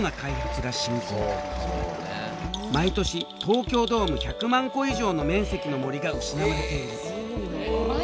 毎年東京ドーム１００万個以上の面積の森が失われている。